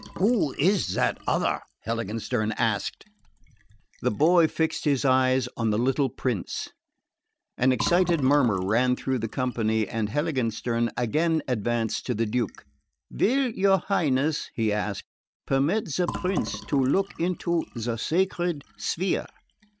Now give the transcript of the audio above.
"Who is that other?" Heiligenstern asked. The boy fixed his eyes on the little prince. An excited murmur ran through the company and Heiligenstern again advanced to the Duke. "Will your Highness," he asked, "permit the prince to look into the sacred sphere?"